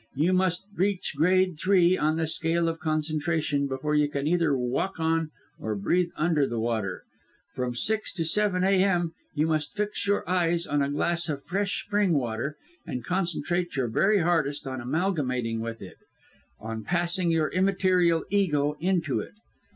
You must reach grade three in the scale of concentration, before you can either walk on, or breathe under, the water. From six to seven a.m. you must fix your eyes on a glass of fresh spring water, and concentrate your very hardest on amalgamating with it, on passing your immaterial ego into it.